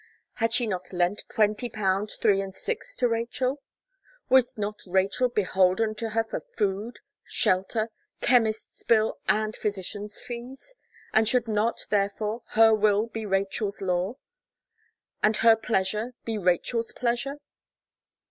Had she not lent twenty pound three and six to Rachel? Was not Rachel beholden to her for food, shelter, chemist's bill, and physician's fees? and should not, therefore, her will be Rachel's law, and her pleasure be Rachel's pleasure?